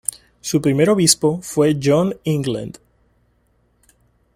Su primer obispo fue John England.